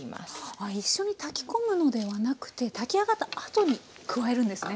あ一緒に炊き込むのではなくて炊き上がったあとに加えるんですね。